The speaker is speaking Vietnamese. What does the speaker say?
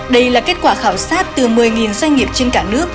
đây là kết quả khảo sát từ một mươi doanh nghiệp trên cả nước